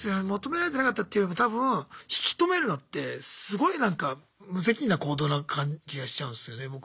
求められてなかったっていうよりも多分引き止めるのってすごいなんか無責任な行動な感じがしちゃうんですよね